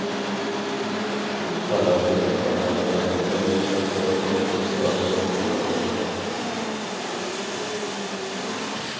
خارابىدىن قارىغاندا، ئەينى چاغدا ئون نەچچە ئادەم ئولتۇراقلاشقان.